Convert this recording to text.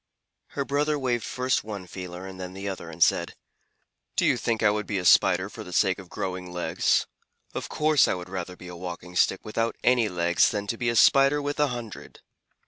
Her brother waved first one feeler and then the other, and said: "Do you think I would be a Spider for the sake of growing legs? I would rather be a Walking Stick without any legs than to be a Spider with a hundred."